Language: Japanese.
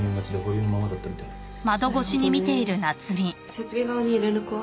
設備側に連絡は？